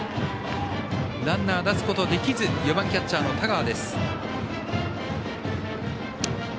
ランナー出すことができず４番、キャッチャーの田川。